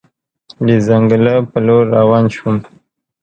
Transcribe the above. د ځنګله په لور روان شوم.